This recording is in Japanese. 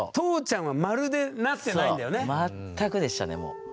まったくでしたねもう。